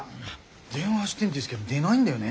電話してんですけど出ないんだよね。